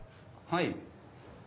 はい。